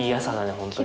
本当にね。